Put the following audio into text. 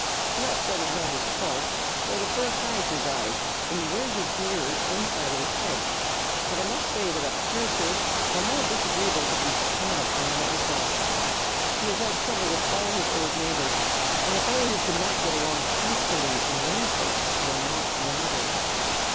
Perhaps that is not his fault, for the fur hides his eyes and he wears his ears inside of his head; but I must say that a fiercer or more disagreeable looking snout I never saw. He has had trouble with all his old neighbors, and a fellow who cannot get along peaceably in one place will not in another.